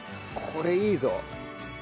これいいぞ。